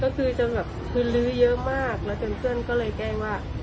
ก็คือจนแบบคือลื้อเยอะมากแล้วจนเพื่อนก็เลยแกล้งว่า